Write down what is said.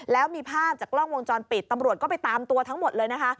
แล้วมีภาพจากกล้องวงจรปิดตำรวจก็ไปตามตัวทั้งหมดเลยนะคะ